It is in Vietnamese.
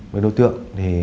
với đối tượng